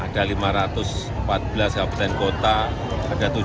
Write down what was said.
ada lima ratus empat belas kapten kota ada tujuh belas kota